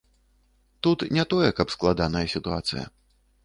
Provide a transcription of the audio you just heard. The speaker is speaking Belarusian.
Тут не тое, каб складаная сітуацыя.